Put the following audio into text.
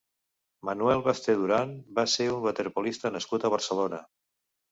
Manuel Basté Duran va ser un waterpolista nascut a Barcelona.